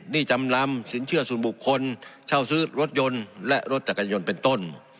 นี่จำลำสินเชื่อส่วนบุคคลเช่าซื้อรถยนต์และรถจักรยานยนต์เป็นต้น